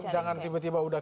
jangan tiba tiba udah